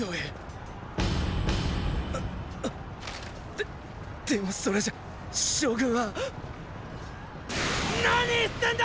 ででもそれじゃ将軍は何言ってんだ！